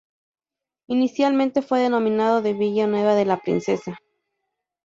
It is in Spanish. Inicialmente fue denominado de Villa Nueva de la Princesa.